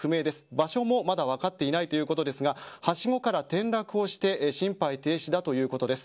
場所もまだ分かっていないということですがはしごから転落をして心肺停止だということです。